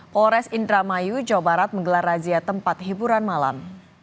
polres indramayu jawa barat menggelar razia tempat hiburan malam